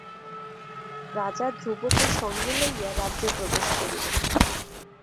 রাজা ধ্রুবকে সঙ্গে লইয়া রাজ্যে প্রবেশ করিলেন।